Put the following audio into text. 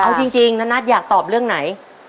เอาจริงณนัทอยากตอบเรื่องไหน